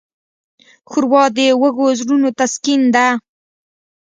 ښوروا د وږو زړونو تسکین ده.